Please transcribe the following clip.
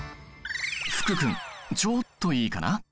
福君ちょっといいかな？